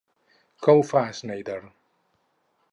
Com ho fa Schneider?